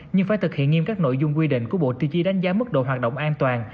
nhưng phải thực hiện nghiêm các nội dung quy định của bộ tiêu chí đánh giá mức độ hoạt động an toàn